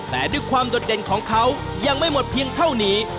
แต่ด้วยความโดดเด่นของเขายังไม่หมดเพียงเท่านี้